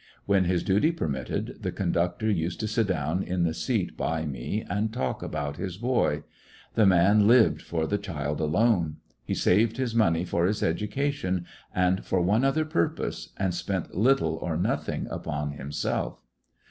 When his duty permitted, the conductor used to sit down in the seat by me and talk about his boy. The man lived for the child alone. He saved his money for his education and for one other purpose, and spent little or nothing upon himself.